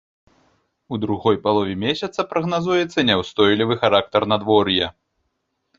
У другой палове месяца прагназуецца няўстойлівы характар надвор'я.